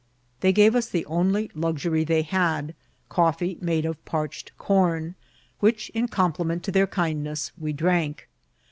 They gave us the only luxury they had, coffee made of parched com, which, in compliment to their kindness, we drank.